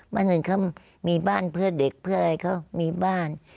บ้านอื่นเขามีบ้านเพื่อเด็กเพื่ออะไรเขามีบ้าน